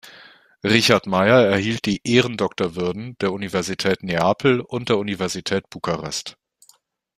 Richard Meier erhielt die Ehrendoktorwürden der Universität Neapel und der Universität Bukarest.